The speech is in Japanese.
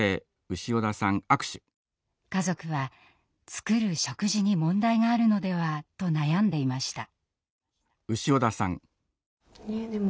家族は作る食事に問題があるのではと悩んでいました。